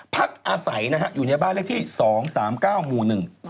พักอาศัยอยู่ในบ้านเลขที่๒๓๙หมู่๑